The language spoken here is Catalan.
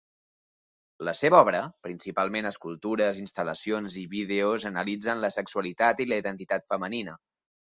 La seva obra, principalment escultures, instal·lacions i vídeos analitzen la sexualitat i la identitat femenina.